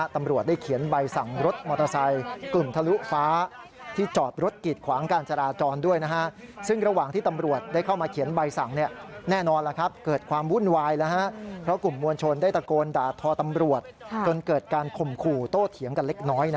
ตำรวจได้เขียนใบสั่งรถมอเตอร์ไซล์